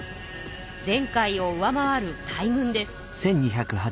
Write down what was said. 前回を上回る大軍です。